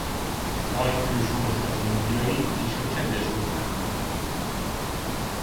A faj őshonos az Indiai- és a Csendes-óceánban.